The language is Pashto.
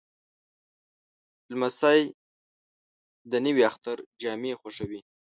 لمسی د نوي اختر جامې خوښوي.